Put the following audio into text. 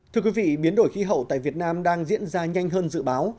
thưa quý vị biến đổi khí hậu tại việt nam đang diễn ra nhanh hơn dự báo